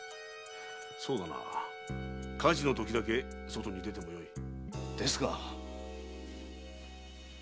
そうだな火事のときだけ外に出てもよい。ですが。